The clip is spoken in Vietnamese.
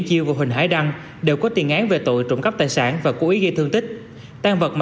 chiêu và huỳnh hải đăng đều có tiền án về tội trộm cắp tài sản và cố ý gây thương tích tăng vật mà